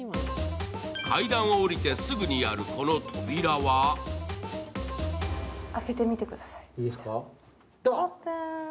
階段を降りてすぐにあるこの扉は開けてみてください、オープン！